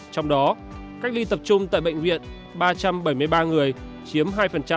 trong đó cách ly tập trung tại bệnh viện ba trăm bảy mươi ba người chiếm hai